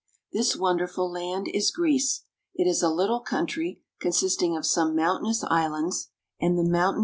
This wonderful land is Greece. It is a little country con sisting of some mountainous islands and the mountainous 382 GREECE.